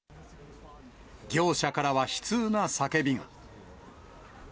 業者からは悲痛な叫びが。